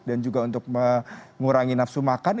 dan juga untuk mengurangi nafsu makan